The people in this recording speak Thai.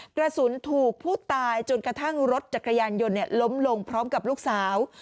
กระสุนถูกผู้ตายจนกระทั่งรถจักรยานยนต์ล้มลงพร้อมกับลูกสาว